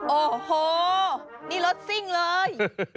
โอ้โหนี่รถซิ่งเลย